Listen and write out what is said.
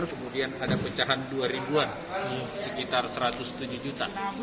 kemudian ada pecahan dua ribu an sekitar satu ratus tujuh juta